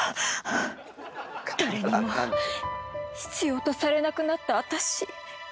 誰にも必要とされなくなった私。